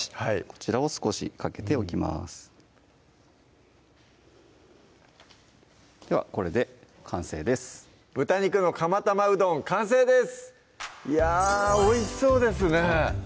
こちらを少しかけておきますではこれで完成です「豚肉のかま玉うどん」完成ですいやおいしそうですねはい